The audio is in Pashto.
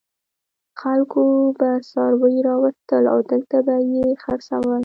خلکو به څاروي راوستل او دلته به یې خرڅول.